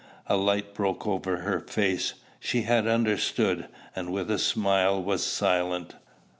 A light broke over her face: she had understood, and with a smile was silent.